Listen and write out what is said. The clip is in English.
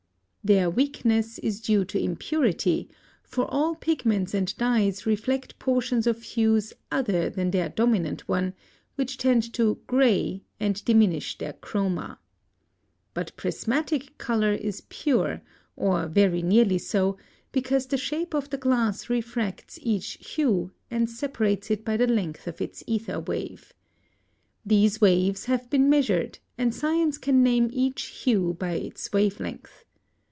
Their weakness is due to impurity, for all pigments and dyes reflect portions of hues other than their dominant one, which tend to "gray" and diminish their chroma. (89) But prismatic color is pure, or very nearly so, because the shape of the glass refracts each hue, and separates it by the length of its ether wave. These waves have been measured, and science can name each hue by its wave length.